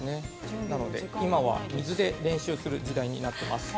◆今は水で練習する時代になっています。